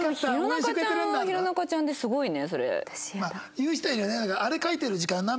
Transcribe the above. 言う人いるよね。